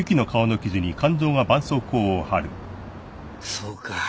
そうか。